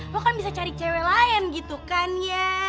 lo kan bisa cari cewek lain gitu kan ya